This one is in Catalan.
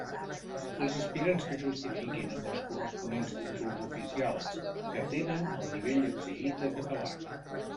Els aspirants que justifiquin, amb els corresponents títols oficials, que tenen el nivell exigit de català.